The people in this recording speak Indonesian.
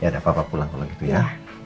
ya ada bapak pulang kalo gitu ya